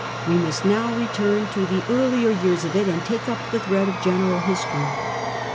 We must now return to the earlier years of it and take up the thread of general history.